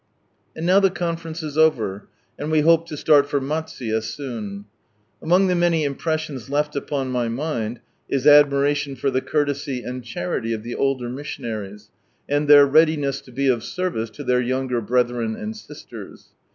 And now the Conference is over, and we hope lo start for Matsuye soon. To Osaka and Back 107 Among ihe many impressions left upon my mind, is admiration for the couriesy and charity of the older missionaries, and their readiness to be of service to their younger brethren and sisters.